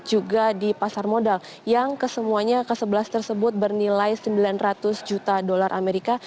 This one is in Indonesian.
juga di pasar modal yang kesemuanya ke sebelas tersebut bernilai sembilan ratus juta dolar amerika